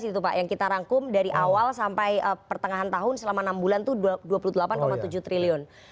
iya dua ribu sembilan belas itu pak yang kita rangkum dari awal sampai pertengahan tahun selama enam bulan itu dua puluh delapan tujuh triliun